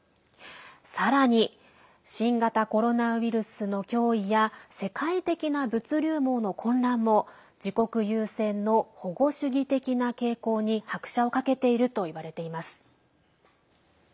さらに新型コロナウイルスの脅威や世界的な物流網の混乱も自国優先の保護主義的な傾向に拍車をかけているといわれています。